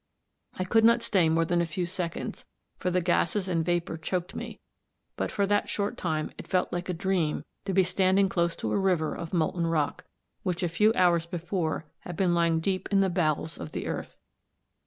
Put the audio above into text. I could not stay more than a few seconds, for the gases and vapour choked me; but for that short time it felt like a dream to be standing close to a river of molten rock, which a few hours before had been lying deep in the bowels of the earth.